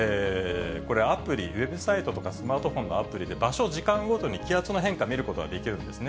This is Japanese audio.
これ、アプリ、ウェブサイトとかスマートフォンのアプリで、場所、時間ごとに気圧の変化、見ることができるんですね。